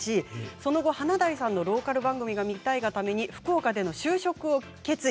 その後、華大さんのローカル番組が見たいがために福岡での就職を決意